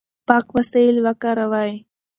پاک وسایل وکاروئ.